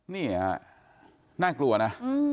นี่ฮะน่ากลัวนะ